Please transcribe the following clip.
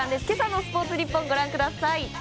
今朝のスポーツニッポンご覧ください。